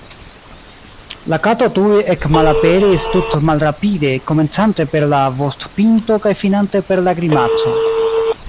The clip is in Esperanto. La kato tuj ekmalaperis tutmalrapide, komencante per la vostpinto kaj finante per la grimaco.